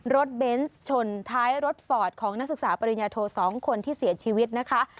เบนส์ชนท้ายรถฟอร์ดของนักศึกษาปริญญาโท๒คนที่เสียชีวิตนะคะ